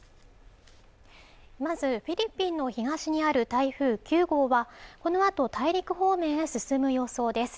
まずフィリピンの東にある台風９号はこのあと大陸方面へ進む予想です